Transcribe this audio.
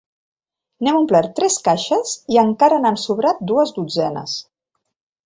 N'hem omplert tres caixes i encara n'han sobrat dues dotzenes.